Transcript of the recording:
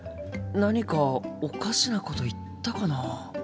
何かおかしなこと言ったかな？